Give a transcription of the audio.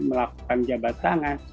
melakukan jabat tangan